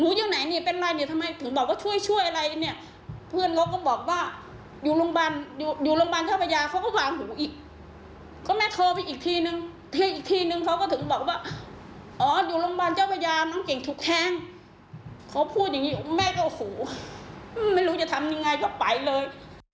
แม่เธอไปอีกทีนึงอีกทีนึงเขาก็ถึงบอกว่าอ๋ออยู่โรงพยาบาลเจ้าประยาน้องเกงถูกแทงเขาพูดอย่างนี้แม่ก็โอ้โหไม่รู้จะทำยังไงก็ไปเลย